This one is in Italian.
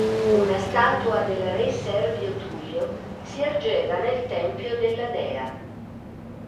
Una statua del re Servio Tullio si ergeva nel tempio della Dea.